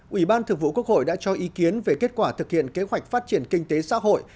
ủy ban thượng vụ quốc hội đã cho ý kiến về kết quả thực hiện kế hoạch phát triển kinh tế xã hội